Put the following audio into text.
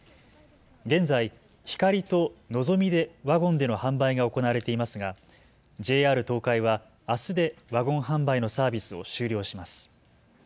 現在、ひかりとのぞみでワゴンでの販売が行われていますがＪＲ東海はあすでワゴン販売のサービスを終了します。